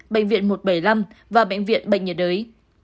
bệnh viện một trăm bảy mươi năm và bệnh viện bệnh nhiệt đới